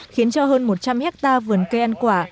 khiến cho hơn một trăm linh hectare vườn cây ăn quả